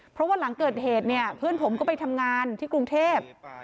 เพราะว่าหลังเกิดเหตุเนี่ยเพื่อนผมก็ไปทำงานที่กรุงเทพ